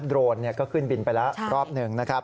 โรนก็ขึ้นบินไปแล้วรอบหนึ่งนะครับ